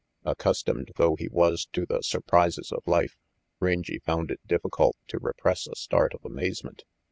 Accustomed though he was to the surprises of life, Rangy found it difficult to repress a start of amazement.